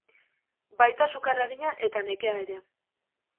Baita sukar arina eta nekea ere.